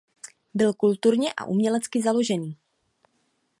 Byl kulturně a umělecky založený.